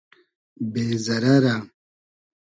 بې زئرئرۂ